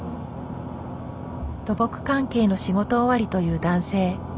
土木関係の仕事終わりという男性。